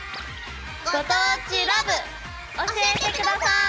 「ご当地ＬＯＶＥ」教えて下さい！